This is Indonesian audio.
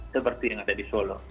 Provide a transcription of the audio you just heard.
seperti yang ada di solo